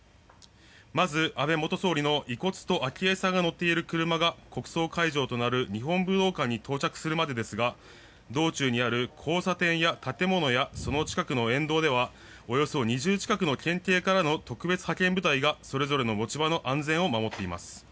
まず、安倍元総理の遺骨と昭恵さんが乗っている車が国葬会場となる日本武道館に到着するまでですが道中にある交差点や建物やその近くの沿道ではおよそ２０近くの県警からの特別派遣部隊がそれぞれの持ち場の安全を守っています。